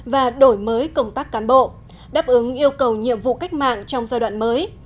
và đổi mới công tác cán bộ đáp ứng yêu cầu nhiệm vụ cách mạng trong giai đoạn mới